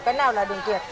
cái nào là đường tuyệt